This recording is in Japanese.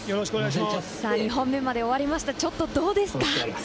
２本目まで終わりました、どうですか？